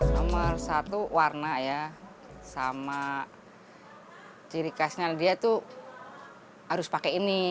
nomor satu warna ya sama ciri khasnya dia tuh harus pakai ini